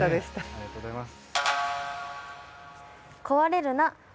ありがとうございます。